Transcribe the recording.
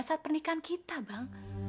saat pernikahan kita bang